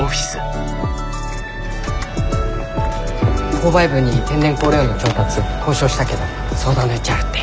購買部に天然香料の調達交渉したけど相談の余地あるって。